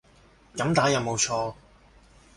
噉打有冇錯